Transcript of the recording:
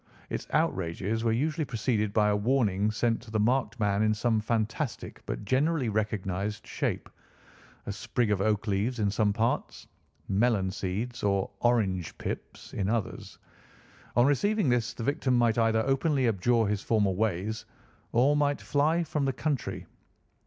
Its outrages were usually preceded by a warning sent to the marked man in some fantastic but generally recognised shape—a sprig of oak leaves in some parts, melon seeds or orange pips in others. On receiving this the victim might either openly abjure his former ways, or might fly from the country.